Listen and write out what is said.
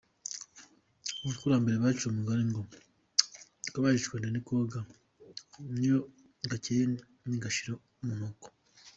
Abakurambere baciye umugani ngo akabaye icwende ntikoga niyo gakeye ntigashira umunuko.